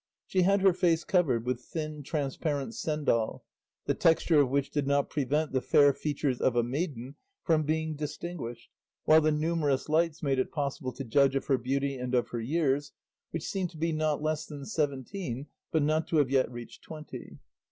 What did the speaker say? She had her face covered with thin transparent sendal, the texture of which did not prevent the fair features of a maiden from being distinguished, while the numerous lights made it possible to judge of her beauty and of her years, which seemed to be not less than seventeen but not to have yet reached twenty.